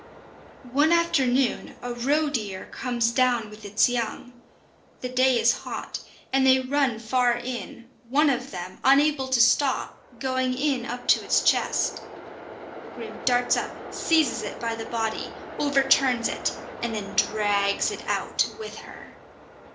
One afternoon a roe deer comes down with its young. The day is hot, and they run far in, one of them, unable to stop, going in up to its chest. Grim darts up, seizes it by the body, overturns it, and then drags it out with her.